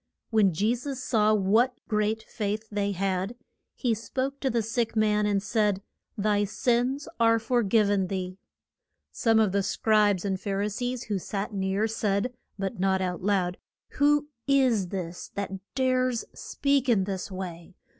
When Je sus saw what great faith they had, he spoke to the sick man, and said, Thy sins are for giv en thee. Some of the Scribes and Phar i sees who sat near said, but not out loud, Who is this that dares speak in this way?